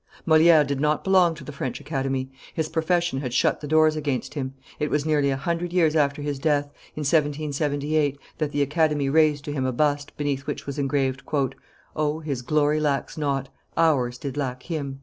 Moliere did not belong to the French Academy; his profession had shut the doors against him. It was nearly a hundred years after his death, in 1778, that the Academy raised to him a bust, beneath which was engraved, "O His glory lacks naught, ours did lack him."